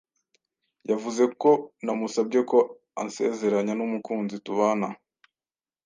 yavuze ko namusabye ko ansezeranya n’umukunzi tubana